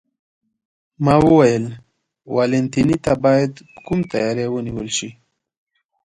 ما وویل: والنتیني ته باید کوم تیاری ونیول شي؟